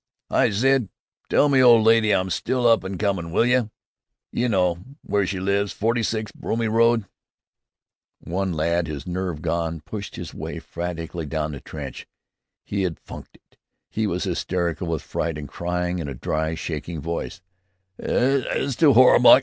"Hi, Sid! Tell me old lady I'm still up an' comin', will you? You know w'ere she lives, forty six Bromley Road." One lad, his nerve gone, pushed his way frantically down the trench. He had "funked it." He was hysterical with fright and crying in a dry, shaking voice, "It's too 'orrible!